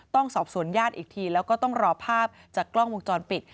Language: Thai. ต้องสอบสวนญาติอีกทีแล้วก็ต้องรอภาพจากกล้องวงจรปิด